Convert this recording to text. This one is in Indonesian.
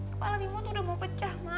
kepala mimo tuh udah berantakan semuanya ya